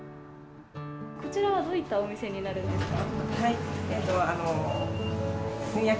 こちらは、どういったお店になるんですか？